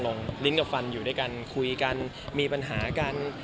ลิ้นกับฟันอยู่ด้วยกันคุยกันมีปัญหากัน